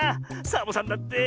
サボさんだって！